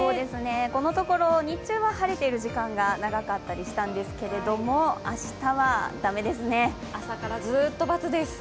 このところ、日中は晴れている時間が長かったりしたんですが朝からずーっと×です。